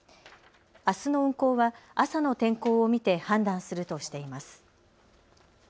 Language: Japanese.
あすの運航は朝の天候を見て判断するとしています。